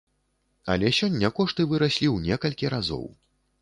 Але сёння кошты выраслі ў некалькі разоў.